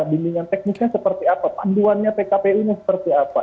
bindingan teknisnya seperti apa panduannya pkpu nya seperti apa